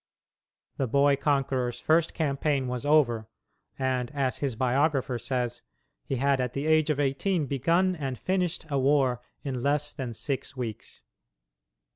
The boy conqueror's first campaign was over, and, as his biographer says, he had "at the age of eighteen begun and finished a war in less than six weeks."